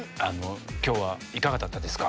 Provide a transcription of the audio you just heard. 今日はいかがだったですか？